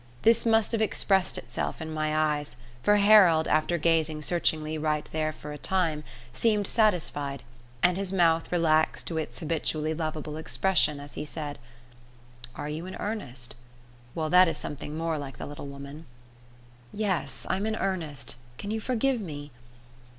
This must have expressed itself in my eyes, for Harold, after gazing searchingly right there for a time, seemed satisfied, and his mouth relaxed to its habitually lovable expression as he said: "Are you in earnest? Well, that is something more like the little woman." "Yes, I'm in earnest. Can you forgive me?"